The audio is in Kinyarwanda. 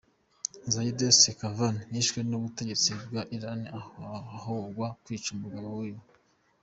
Zeinab Sekaanvan yishwe n'ubutegetsi bwa Irani ahogwa kwica umugabo wiwe.